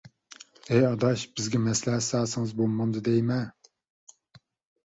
ھەي ئاداش، بىزگە مەسلىھەت سالسىڭىز بولمامدۇ دەيمەن.